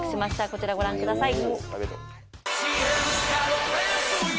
こちらご覧ください。